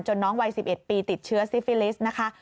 น้องวัย๑๑ปีติดเชื้อซิฟิลิสต์นะคะ